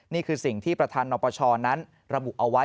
นี่คือสิ่งที่ประธานนปชนั้นระบุเอาไว้